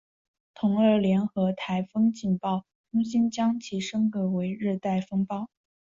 同日联合台风警报中心将其升格为热带风暴。